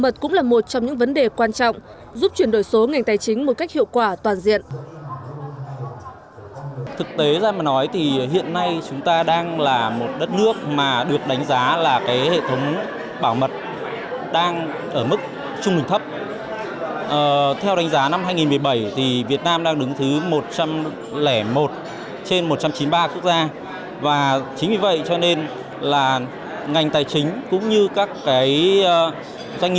trong những vấn đề quan trọng giúp chuyển đổi số ngành tài chính một cách hiệu quả toàn diện